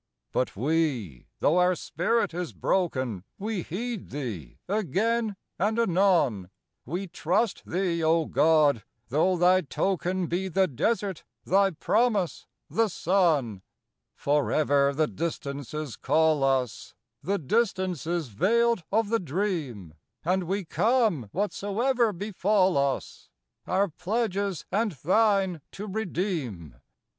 But we, though our spirit is broken, We heed thee again and anon; We trust thee, O God, though thy token Be the desert, thy promise, the sun. Forever the Distances call us— The Distances veiled of the Dream; And we come, whatsoever befall us, Our pledges and thine to redeem.